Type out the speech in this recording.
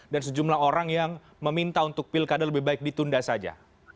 dan sejumlah orang yang meminta untuk pilkada lebih baik ditunda saja